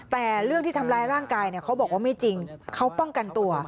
แต่เรื่องที่ทำร้ายร่างกายเขาบอกว่าไม่จริงเขาป้องกันตัว